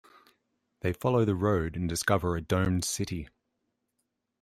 They follow the road and discover a domed city.